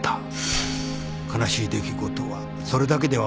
悲しい出来事はそれだけでは終わらなかった。